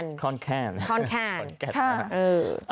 ค้อนแค้นค้อนแค้นค้อนแค้นค่ะเออ